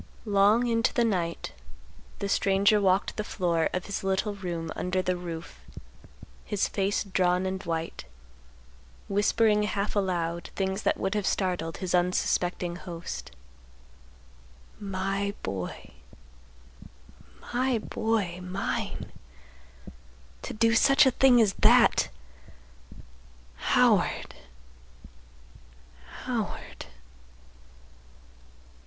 Long into the night, the stranger walked the floor of his little room under the roof, his face drawn and white, whispering half aloud things that would have startled his unsuspecting host. "My boy—my boy—mine! To do such a thing as that! Howard—Howard.